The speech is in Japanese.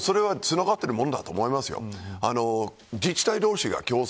それはつながっているものだと思います。